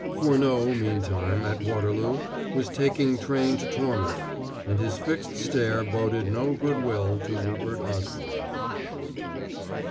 Furneaux, meantime, at Waterloo was taking train to Tormouth, and his fixed stare boded no good will to Rupert Osborne.